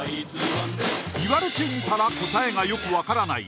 言われてみたら答えがよく分からない